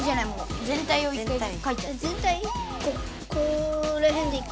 ここらへんでいいか。